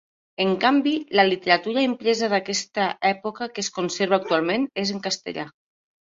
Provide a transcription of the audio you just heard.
En canvi, la literatura impresa d'aquesta època que es conserva actualment és en castellà.